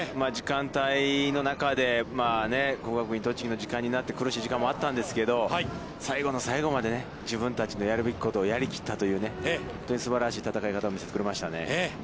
時間帯の中で、国学院栃木の時間になって苦しい時間もあったんですけど、最後の最後まで自分たちのやるべきことをやりきったという本当にすばらしい戦い方を見せてくれましたね。